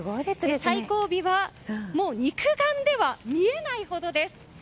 最後尾はもう肉眼では見えないほどです。